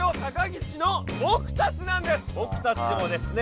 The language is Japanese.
ぼくたちもですね